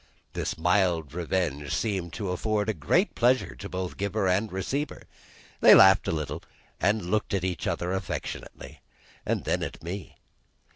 This mild revenge seemed to afford great pleasure to both giver and receiver. They laughed a little, and looked at each other affectionately, and then at me.